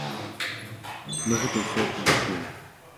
Мы гэта ўсё апублікуем.